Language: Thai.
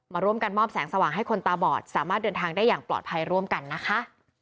มาร่วมกันมอบแสงสว่างให้คนตาบอดสามารถเดินทางได้อย่างปลอดภัยร่วมกันนะคะ